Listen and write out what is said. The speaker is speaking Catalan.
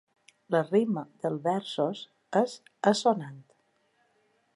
La rima dels versos és assonant.